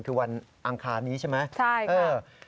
คือวันอังคารนี้ใช่ไหมใช่ค่ะใช่ค่ะ